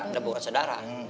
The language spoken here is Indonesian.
dia bukan sodara